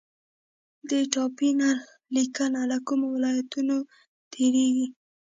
د ټاپي نل لیکه له کومو ولایتونو تیریږي؟